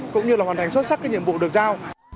cũng như là hoàn thành xuất sắc cái nhiệm vụ được giao